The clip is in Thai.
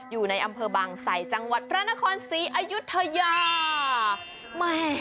อยู่ในอำเภอบางไสจังหวัดพระนครศรีอายุทยาแม่